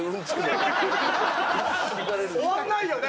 終わらないよね。